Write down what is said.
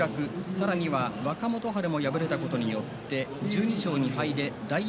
さらには若元春も敗れたことによって１２勝２敗で大栄